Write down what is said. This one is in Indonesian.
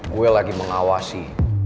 gue lagi mengawasi